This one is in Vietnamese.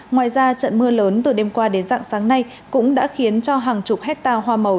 ngoài ra trận mưa lớn từ đêm qua đến dạng sáng nay cũng đã khiến cho hàng chục hectare hoa màu